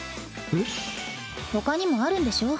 えっ？ほかにもあるんでしょ？